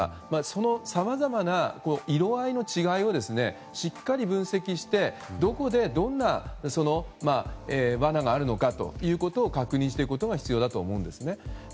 そのさまざまな色合いの違いをしっかり分析してどこでどんな罠があるのかを確認していくことが必要だと思うんですね。